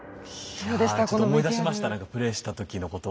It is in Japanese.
いやちょっと思い出しましたねプレイした時のことを。